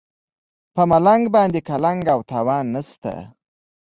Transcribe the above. په ملنګ باندې قلنګ او تاوان نشته.